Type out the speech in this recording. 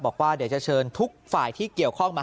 บอกว่าเดี๋ยวจะเชิญทุกฝ่ายที่เกี่ยวข้องมา